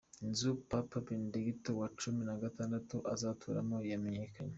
Inzu Papa Benedigito wa cumi na gatandatu azaturamo yamenyekanye